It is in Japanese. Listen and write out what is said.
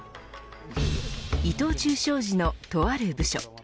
伊藤忠商事のとある部署。